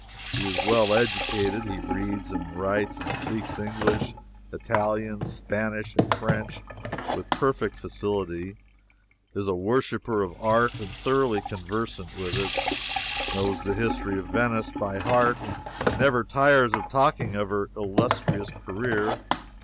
He is well educated. He reads, writes, and speaks English, Italian, Spanish, and French, with perfect facility; is a worshipper of art and thoroughly conversant with it; knows the history of Venice by heart and never tires of talking of her illustrious career.